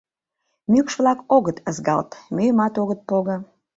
Мӱкш-влак огыт ызгалт, мӱйымат огыт пого.